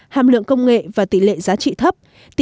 hàm lượng công nghệ và tỷ lệ giá trị thấp